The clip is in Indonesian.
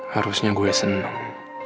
harusnya gue seneng